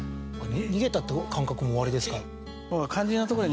逃げたっていう感覚もおありですか。